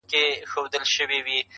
له نژدې ليري ملكونو وه راغلي!!